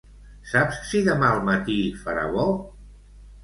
Saps si demà al matí farà bo?